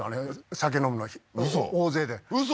酒飲むの大勢でウソ？